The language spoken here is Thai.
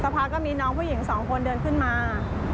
พักก็มีน้องผู้หญิงสองคนเดินขึ้นมา